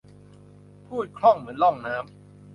พูดคล่องเหมือนล่องน้ำ